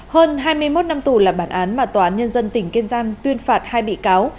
hơn hai mươi một năm tù là bản án mà tòa án nhân dân tỉnh kiên giang tuyên phạt hai bị cáo